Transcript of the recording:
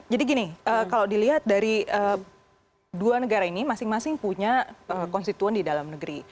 jadi gini kalau dilihat dari dua negara ini masing masing punya konstituen di dalam negeri